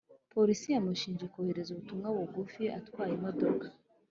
polisi yamushinje kohereza ubutumwa bugufi atwaye imodoka.